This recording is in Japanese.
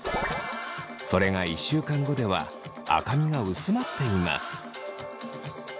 それが１週間後では赤みが薄まっています。